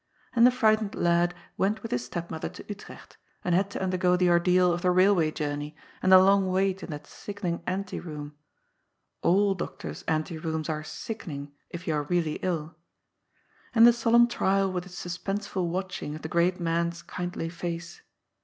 And the fright ened lad went with his stepmother to Utrecht, and had to undergo the ordeal of the railway journey, and the long wait in that sickening ante room — sJl doctors' ante rooms* are sickening, if you are really ill — and the solemn trial with its suspenseful watching of the great man's kindly face.